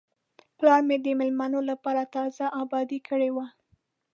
پلار مې د میلمنو لپاره تازه آباده کړې وه.